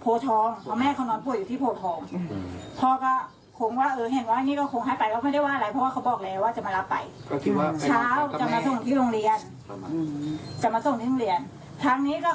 โภททาง